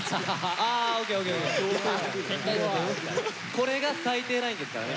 これが最低ラインですからね。